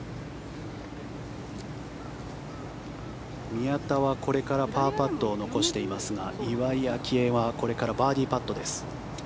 宮田はこれからパーパットを残していますが岩井明愛はこれからバーディーパットです。